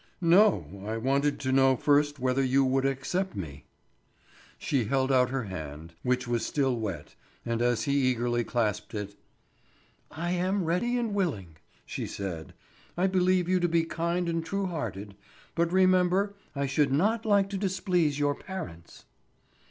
"No, I wanted to know first whether you would accept me." She held out her hand, which was still wet, and as he eagerly clasped it: "I am ready and willing," she said. "I believe you to be kind and true hearted. But remember, I should not like to displease your parents."